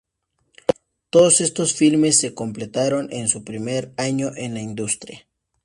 Todos estos filmes se completaron en su primer año en la industria.